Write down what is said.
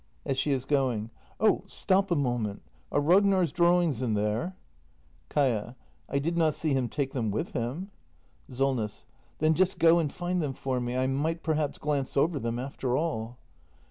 [As she is going.] Oh, stop a moment! Are Ragnar's drawings in there ? Kaia. I did not see him take them with him. Solness. Then just go and find them for me. I might perhaps glance over them, after all.